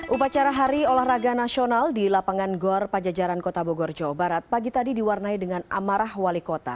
upacara hari olahraga nasional di lapangan gor pajajaran kota bogor jawa barat pagi tadi diwarnai dengan amarah wali kota